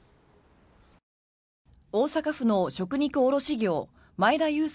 大阪府の食肉卸業前田裕介